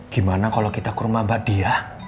gimana kalau kita ke rumah mbak diah